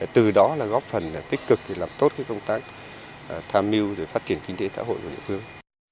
từ đó góp phần tích cực làm tốt công tác tham mưu phát triển kinh tế xã hội của địa phương